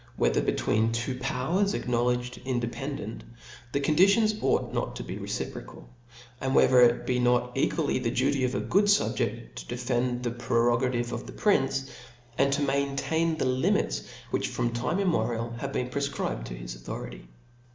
whether between tw5 powers acknowledged independent, the conditions ought not to be re ciproqal 5 and whether it be not equally the duty of a good fubjeft to defend the prerogative of the prince, and to maintain the limits which from^ time immemorial he has prefcribed to his au thority.